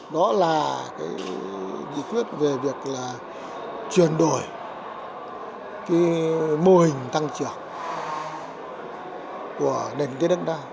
đó là dịch viết về việc là chuyển đổi mô hình tăng trưởng của nền kinh tế đất đa